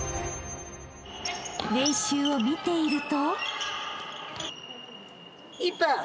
［練習を見ていると］